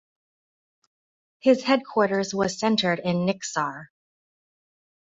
His headquarters was centered in Niksar.